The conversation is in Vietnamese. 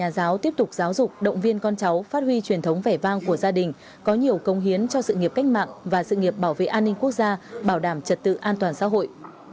bộ trưởng tô lâm cũng tiếp tục giáo dục động viên con cháu phát huy truyền thống vẻ vang của gia đình có nhiều công hiến cho sự nghiệp cách mạng và sự nghiệp bảo vệ an ninh quốc gia bảo đảm trật tự an toàn xã hội